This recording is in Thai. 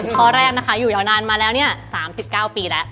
ข้อแรกอยู่แถวนานมาแล้ว๓๙ปีแล้ว